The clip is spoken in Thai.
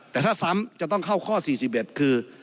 แต่ถ้าซ้ำจะต้องเข้าข้อ๔๑คือ